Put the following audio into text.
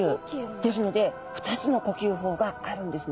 ですので２つの呼吸法があるんですね。